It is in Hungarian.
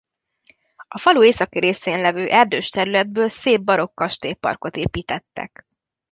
A falu északi részén levő erdős területből szép barokk kastélyparkot építettek.